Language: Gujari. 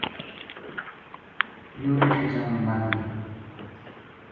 یوہ رچھ کے سامنے مر گیو